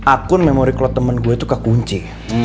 akun memory cloud temen gue tuh kekunci